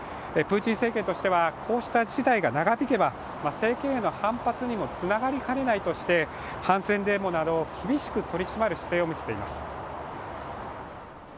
プーチン政権としては、こうした事態が長引けば政権への反発にもつながりかねないとして反戦デモなど厳しく取り締まる姿勢を示しています。